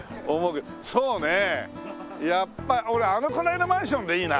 そうねえやっぱ俺あのくらいのマンションでいいな。